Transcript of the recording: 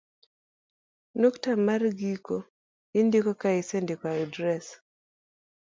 nukta mar giko indiko ka isendiko adres